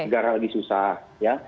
negara lagi susah ya